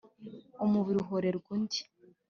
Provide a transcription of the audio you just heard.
umubiri uhorerwa undi